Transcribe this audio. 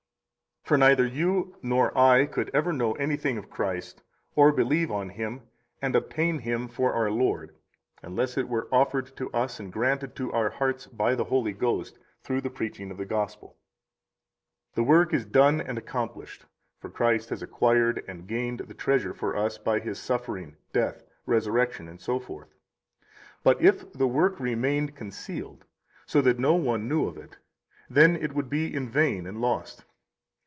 38 For neither you nor I could ever know anything of Christ, or believe on Him, and obtain Him for our Lord, unless it were offered to us and granted to our hearts by the Holy Ghost through the preaching of the Gospel. The work is done and accomplished; for Christ has acquired and gained the treasure for us by His suffering, death, resurrection, etc. But if the work remained concealed so that no one knew of it, then it would be in vain and lost.